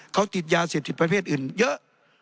เขาติดยาเสพติดประเภทอื่นเยอะ